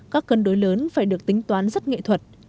các cân đối lớn phải được tính toán rất nghệ thuật